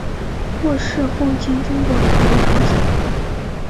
获释后经中国逃离朝鲜。